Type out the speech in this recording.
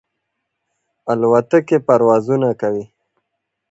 الوتکې پروازونه کوي.